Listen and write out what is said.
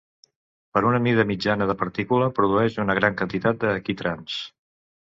Per una mida mitjana de partícula produeix una gran quantitat de quitrans.